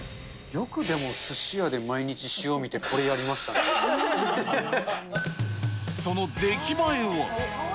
よくでも、すし屋で毎日、塩見てその出来栄えは？